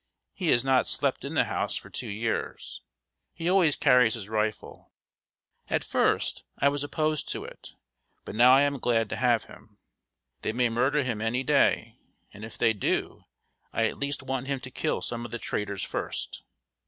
He has not slept in the house for two years. He always carries his rifle. At first, I was opposed to it, but now I am glad to have him. They may murder him any day, and if they do, I at least want him to kill some of the traitors first.